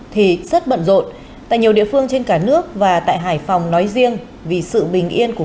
thì rất bận rộn tại nhiều địa phương trên cả nước và tại hải phòng nói riêng vì sự bình yên của